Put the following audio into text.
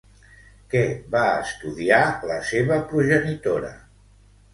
Què va estudiar la seva progenitora?